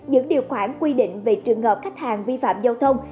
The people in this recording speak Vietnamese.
những điều khoản quy định về trường hợp khách hàng vi phạm giao thông